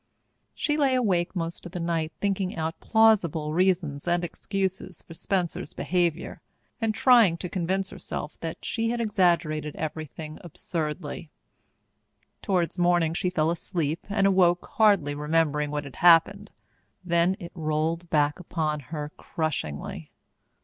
She lay awake most of the night, thinking out plausible reasons and excuses for Spencer's behaviour, and trying to convince herself that she had exaggerated everything absurdly. Towards morning she fell asleep and awoke hardly remembering what had happened. Then it rolled back upon her crushingly.